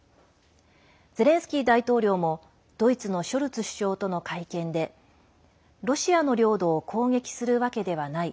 ゼレンスキー大統領もドイツのショルツ首相との会見でロシアの領土を攻撃するわけではない。